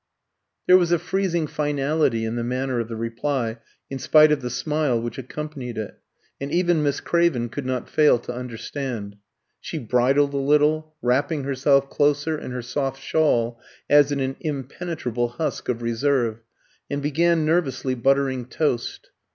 There was a freezing finality in the manner of the reply, in spite of the smile which accompanied it; and even Miss Craven could not fail to understand. She bridled a little, wrapping herself closer in her soft shawl as in an impenetrable husk of reserve, and began nervously buttering toast.